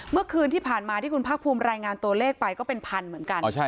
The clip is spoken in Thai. เมื่อคืนที่ผ่านมาที่คุณภาคภูมิรายงานตัวเลขไปก็เป็นพันเหมือนกัน